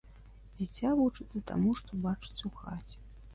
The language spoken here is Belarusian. Дзіця вучыцца таму, што бачыць у хаце.